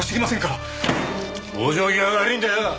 往生際が悪いんだよ！